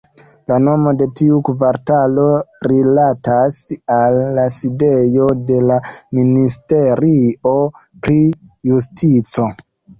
La nomo de tiu kvartalo rilatas al la sidejo de la Ministerio pri Justico.